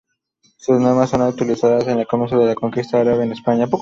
Sus normas son las utilizadas en el comienzo de la conquista árabe en España.